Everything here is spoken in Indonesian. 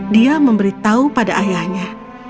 dia memberitahu pada ayahnya